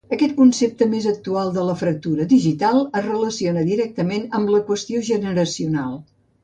Aquest concepte més actual de la fractura digital es relaciona directament amb la qüestió generacional.